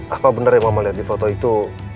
apa bener yang mama liat di foto itu